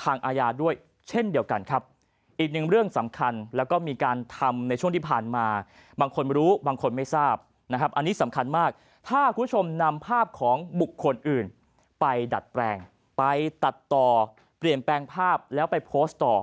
ที่สำคัญมากถ้าคุณผู้ชมนำภาพของบุคคนอื่นไปดัดแปลงไปตัดต่อเปลี่ยนแปลงภาพแล้วไปโพสต์ต่อ